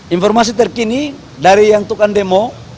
informasi terkini dari yang tukang demo